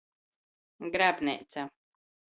Grabneica.